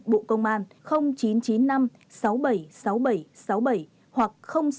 bộ công an chín trăm chín mươi năm sáu mươi bảy sáu mươi bảy sáu mươi bảy hoặc sáu mươi chín hai nghìn ba trăm bốn mươi hai sáu trăm linh tám